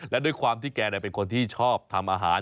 และด้วยความที่แกเป็นคนที่ชอบทำอาหาร